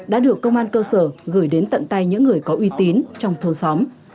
đã được công an cơ sở gửi đến tận tay những người có uy tín trong thâu xóm